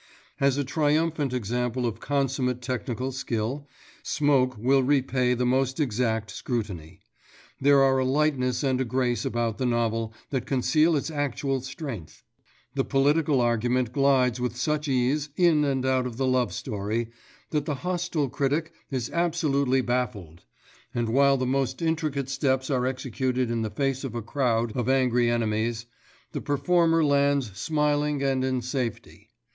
As a triumphant example of consummate technical skill, Smoke will repay the most exact scrutiny. There are a lightness and a grace about the novel that conceal its actual strength. The political argument glides with such ease in and out of the love story, that the hostile critic is absolutely baffled; and while the most intricate steps are executed in the face of a crowd of angry enemies, the performer lands smiling and in safety.